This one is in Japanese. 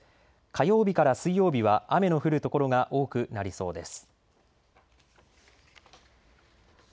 火曜日から水曜日は雨の降る所が多くなりそうです。